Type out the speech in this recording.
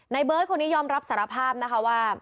เบิร์ตคนนี้ยอมรับสารภาพนะคะว่า